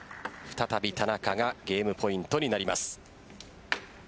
再び田中がゲームポイントになります。